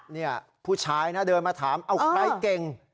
นี่ผู้ชายนะเดินมาถามเอาใครเก่ง